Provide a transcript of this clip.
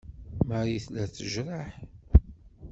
Marie tella tejreḥ.